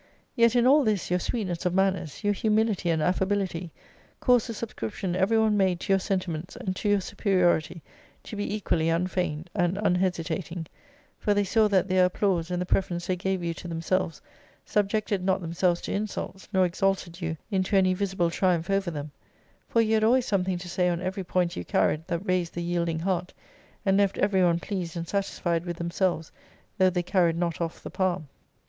Yet, in all this, your sweetness of manners, your humility and affability, caused the subscription every one made to your sentiments, and to your superiority, to be equally unfeigned, and unhesitating; for they saw that their applause, and the preference they gave you to themselves, subjected not themselves to insults, nor exalted you into any visible triumph over them; for you had always something to say on every point you carried that raised the yielding heart, and left every one pleased and satisfied with themselves, though they carried not off the palm.